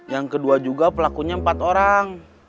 yang kedua juga pelakunya empat orang